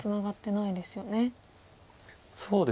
そうですね。